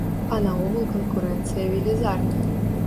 А наогул канкурэнцыя велізарная.